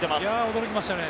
驚きましたね。